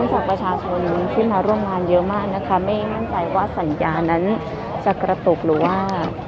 จากประชาชนที่มาร่วมงานเยอะมากนะคะไม่มั่นใจว่าสัญญานั้นจะกระตุกหรือว่า